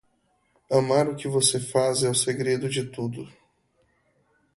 Amar o que você faz é o segredo de tudo.